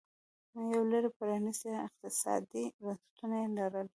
یو لړ پرانیستي اقتصادي بنسټونه یې لرل